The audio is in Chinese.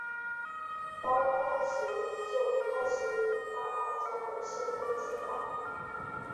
高中时就开始以漫画家的身份出道。